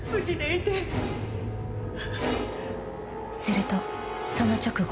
［するとその直後］